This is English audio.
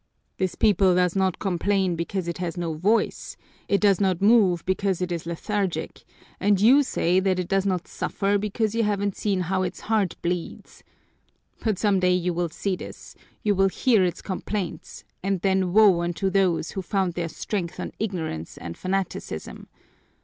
"This people does not complain because it has no voice, it does not move because it is lethargic, and you say that it does not suffer because you haven't seen how its heart bleeds. But some day you will see this, you will hear its complaints, and then woe unto those who found their strength on ignorance and fanaticism!